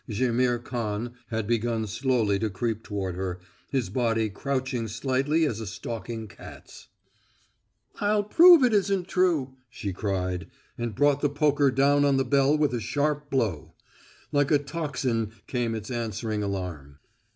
Jaimihr Khan had begun slowly to creep toward her, his body crouching slightly as a stalking cat's. "I'll prove it isn't true!" she cried, and brought the poker down on the bell with a sharp blow. Like a tocsin came its answering alarm.